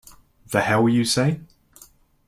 The hell you say!